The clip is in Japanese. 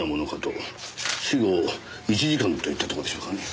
死後１時間といったとこでしょうかね。